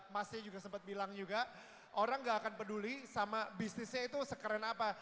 masnya juga sempat bilang juga orang gak akan peduli sama bisnisnya itu sekeren apa